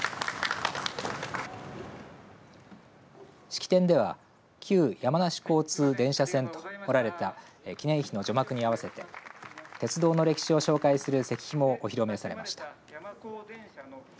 式典では旧山梨交通電車線と彫られた記念碑の除幕に合わせて鉄道の歴史を紹介する石碑もお披露目されました。